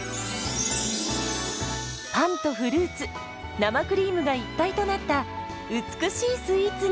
パンとフルーツ生クリームが一体となった美しいスイーツに。